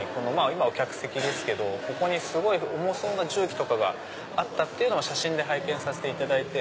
今は客席ですけどここに重そうな重機とかがあったと写真で拝見させていただいて。